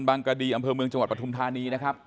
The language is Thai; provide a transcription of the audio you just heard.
กระดีอำเภอเมืองจังหวัดปฐุมธานีนะครับ